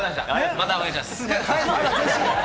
またお願いします。